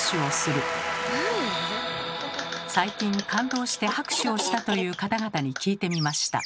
最近感動して拍手をしたという方々に聞いてみました。